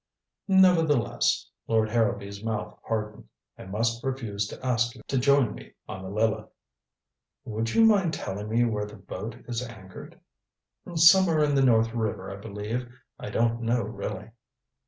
"Nevertheless" Lord Harrowby's mouth hardened "I must refuse to ask you to join me on the Lileth." "Would you mind telling me where the boat is anchored?" "Somewhere in the North River, I believe. I don't know, really."